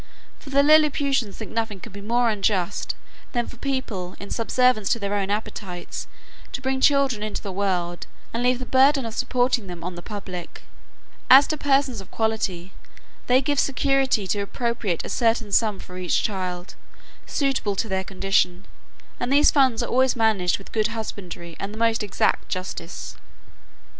For the Lilliputians think nothing can be more unjust, than for people, in subservience to their own appetites, to bring children into the world, and leave the burthen of supporting them on the public. As to persons of quality, they give security to appropriate a certain sum for each child, suitable to their condition; and these funds are always managed with good husbandry and the most exact justice.